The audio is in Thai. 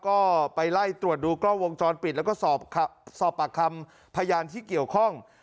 ก็ไปไล่ตรวจดูกล้องวงจรปิดแล้วก็สอบปากคำพยานที่เกี่ยวข้อง